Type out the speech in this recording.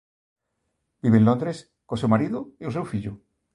Vive en Londres co seu marido e o seu fillo.